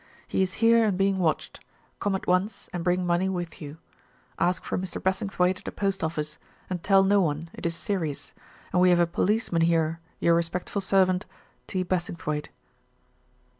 He is here and being wached. Come at once and bring money with you. Ask for Mr. Bassingthwaighte at the post Office and tell noone it is seerious and we have a poliseman here your respectfull servant T. Bassingthwaighte.